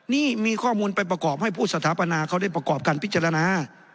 นี่มีข้อมูลไปประกอบให้ผู้สถาปนาเขาได้ประกอบการพิจารณา